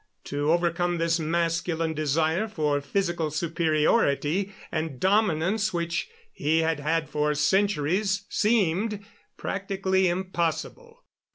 To overcome this masculine desire for physical superiority and dominance which he had had for centuries seemed practically impossible.